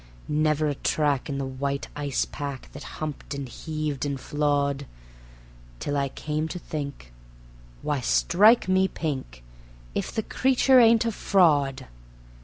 Never a track in the white ice pack that humped and heaved and flawed, Till I came to think: "Why, strike me pink! if the creature ain't a fraud."